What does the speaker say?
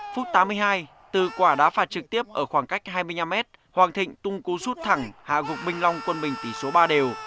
phút tám mươi hai từ quả đá phạt trực tiếp ở khoảng cách hai mươi năm m hoàng thịnh tung cú rút thẳng hạ gục minh long quân mình tỷ số ba đều